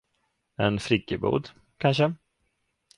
En friggebod, kanske?